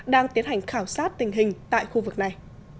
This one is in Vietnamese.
đang tiến hành khảo sát tình hình tại khu vực này